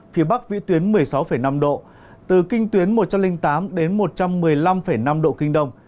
phía bắc vĩ tuyến một mươi sáu năm độ từ kinh tuyến một trăm linh tám đến một trăm một mươi năm năm độ kinh đông